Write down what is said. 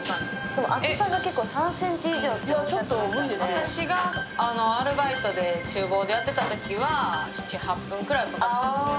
私がアルバイトで厨房入ってたときは７８分くらいかかってた。